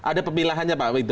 ada pemilahannya pak